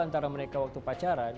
antara mereka waktu pacaran